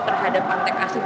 terhadap antek asing